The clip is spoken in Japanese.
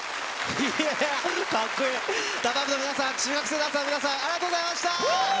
ＤＡＰＵＭＰの皆さん、中学生ダンサーの皆さん、ありがとうございました。